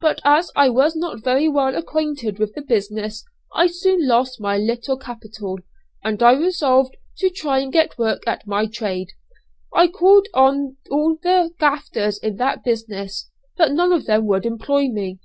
But as I was not very well acquainted with the business I soon lost my little capital, and I resolved to try and get work at my trade. I called on all the 'gaffers' in that business, but none of them would employ me.